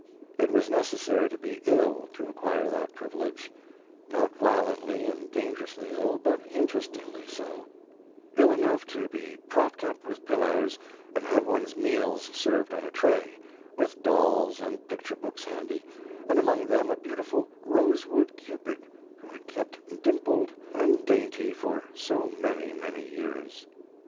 It was necessary to be ill to acquire that privilege not violently and dangerously ill, but interestingly so ill enough to be propped up with pillows and have one's meals served on a tray, with dolls and picture books handy, and among them a beautiful rosewood cupid who had kept dimpled and dainty for so many, many years.